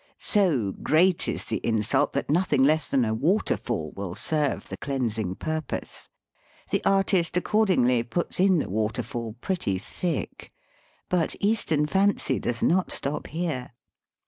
So great is the insult that nothing less than a waterfall will serve the cleansing purpose. The artist accordingly puts in the waterfall pretty thick ; but Eastern fancy does not stop here.